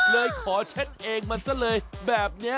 เลยขอเช็ดเองมันก็เลยแบบนี้